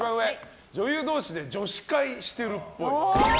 女優同士で女子会してるっぽい。